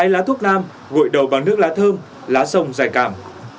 hai lá thuốc nam gội đầu bằng nước lá thơm lá sông dài cảm